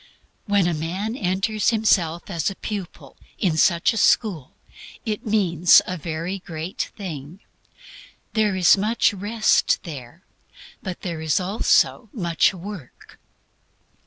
When a man enters himself as a pupil in such a school it means a very great thing. There is much Rest there, but there is also much Work.